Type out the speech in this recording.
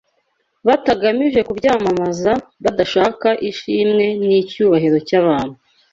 batagamije kubyamamaza, badashaka ishimwe n’icyubahiro cy’abantu